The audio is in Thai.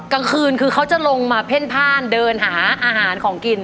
กลางคืนคือเขาจะลงมาเพ่นผ้านเดินหาอาหารของกิน